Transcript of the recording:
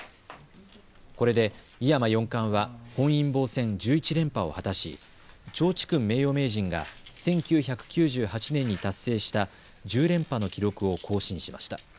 これで井山四冠は本因坊戦１１連覇を果たし趙治勲名誉名人が１９９８年に達成した１０連覇の記録を更新しました。